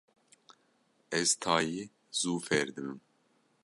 Ez tayî zû fêr dibim.